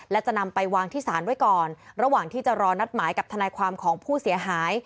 และจะนำไปวางที่ศาลไว้ก่อนระหว่างที่จะรอนัดหมายกับทนายความของผู้เสียหาย